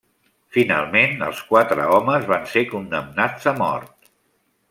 Finalment els quatre homes van ser condemnats a mort.